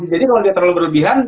jadi kalau dia terlalu berlebihan